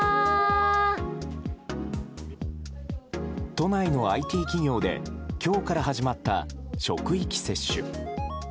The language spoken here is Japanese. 都内のＩＴ企業で今日から始まった職域接種。